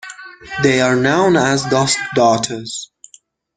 They are known as Duskdarters.